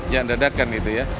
jangan dadakan gitu ya